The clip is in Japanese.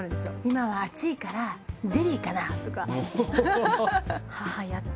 「今は暑いからゼリーかな？」とか。